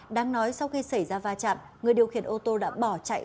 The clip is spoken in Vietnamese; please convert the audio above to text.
đáng nói sau khi xảy ra va chạm người điều khiển ô tô đã bỏ chạy